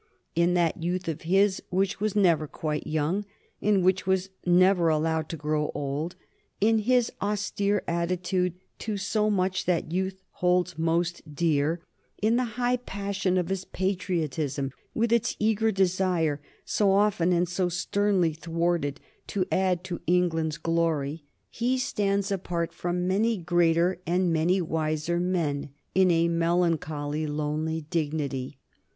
In that youth of his which was never quite young, and which was never allowed to grow old, in his austere attitude to so much that youth holds most dear, in the high passion of his patriotism with its eager desire, so often and so sternly thwarted, to add to England's glory, he stands apart from many greater and many wiser men, in a melancholy, lonely dignity.